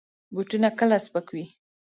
بوټونه کله سپک وي.